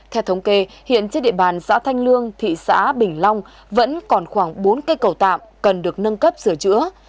theo thống kê hiện trên địa bàn xã thanh lương thị xã bình long vẫn còn khoảng bốn cây cầu tạm cần được nâng cấp sửa chữa